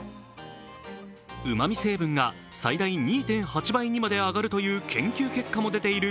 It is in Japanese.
うまみ成分が最大２．８倍にまで上がるという研究結果も出ている